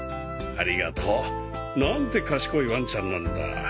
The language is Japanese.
ありがとう。なんて賢いワンちゃんなんだ。